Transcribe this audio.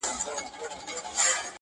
گنې په تورو توتکيو دې ماتم ساز کړي،